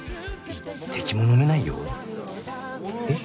一滴も飲めないよえっ？